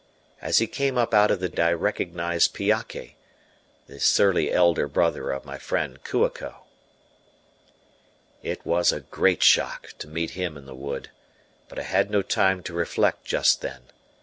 As he came up out of the deeper shade I recognized Piake, the surly elder brother of my friend Kua ko. It was a great shock to meet him in the wood, but I had no time to reflect just then.